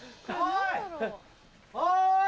おい！